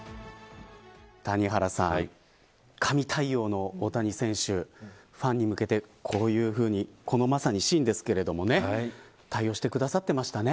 谷原さん、神対応の大谷選手ファンに向けてこういうふうにまさに、このシーンですけど対応してくださってましたね。